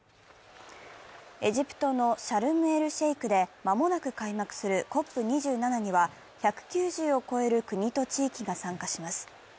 エジプトのシャルム・エル・シェイクで間もなく開幕するＣＯＰ２７には、１９０を超える国と地域が参加します。